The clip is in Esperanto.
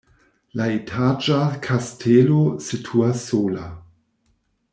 La etaĝa kastelo situas sola.